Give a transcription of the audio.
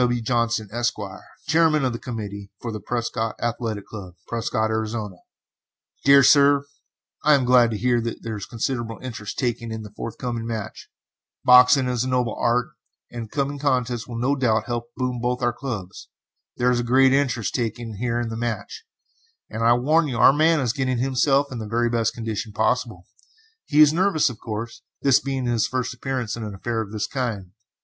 W. JOHNSON, ESQ., Chairman of the Committee for the Prescott Athletic Club, Prescott, Arizona: DEAR SIR: I am glad to hear that there is considerable interest taken in the forthcoming match. Boxing is a noble art, and this coming contest will no doubt help to boom both our clubs. There is a great interest taken here in the match, and I warn you our man is getting himself in the very best condition possible. He is nervous, of course, this being his first appearance in an affair of this kind.